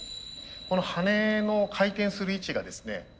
この羽根の回転する位置がですね